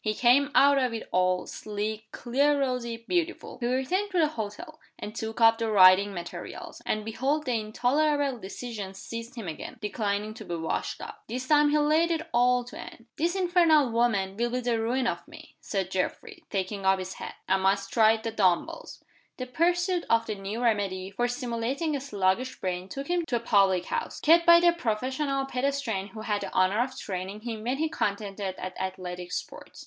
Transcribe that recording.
He came out of it all, sleek, clear rosy, beautiful. He returned to the hotel, and took up the writing materials and behold the intolerable indecision seized him again, declining to be washed out! This time he laid it all to Anne. "That infernal woman will be the ruin of me," said Geoffrey, taking up his hat. "I must try the dumb bells." The pursuit of the new remedy for stimulating a sluggish brain took him to a public house, kept by the professional pedestrian who had the honor of training him when he contended at Athletic Sports.